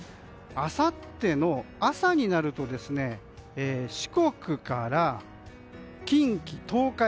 あさっての朝になると四国から近畿・東海。